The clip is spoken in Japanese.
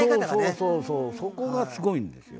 そうそうそこがすごいんですよ。